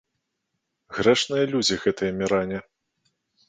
Грэшныя людзі гэтыя міране.